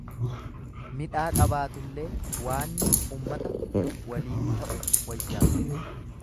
Midhaa qabaatullee waanni ummata waliin ta'u wayyaadha.